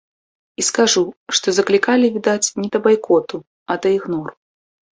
І скажу, што заклікалі, відаць, не да байкоту, а да ігнору.